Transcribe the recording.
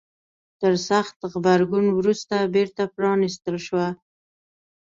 تر سخت غبرګون وروسته بیرته پرانيستل شوه.